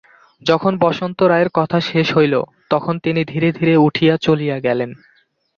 যখন বসন্ত রায়ের কথা শেষ হইল, তখন তিনি ধীরে ধীরে উঠিয়া চলিয়া গেলেন।